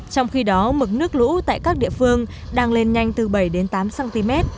trong khi đó mực nước lũ tại các địa phương đang lên nhanh từ bảy tám cm